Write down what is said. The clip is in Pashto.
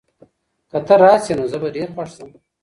که ته راشې، نو زه به ډېر خوښ شم.